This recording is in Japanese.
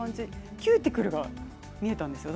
キューティクルが見えたんですよね。